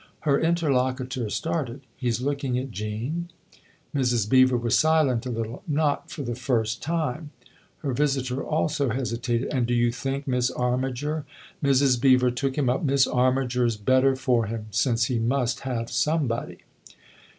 Her interlocutor started. " He's looking at Jean ?" Mrs. Beever was silent a little. " Not for the first time !" Her visitor also hesitated. "And do you think, Miss Armiger ?" THE OTHER HOUSE 109 Mrs. Beever took him up. " Miss Armiger's better for him since he must have somebody